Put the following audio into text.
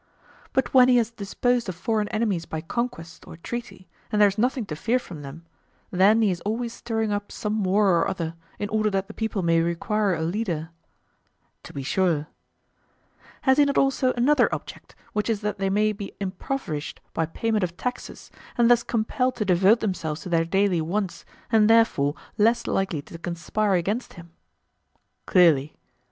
But when he has disposed of foreign enemies by conquest or treaty, and there is nothing to fear from them, then he is always stirring up some war or other, in order that the people may require a leader. To be sure. Has he not also another object, which is that they may be impoverished by payment of taxes, and thus compelled to devote themselves to their daily wants and therefore less likely to conspire against him? Clearly.